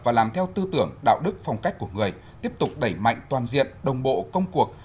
và làm theo tư tưởng đạo đức phong cách của người tiếp tục đẩy mạnh toàn diện đồng bộ công cuộc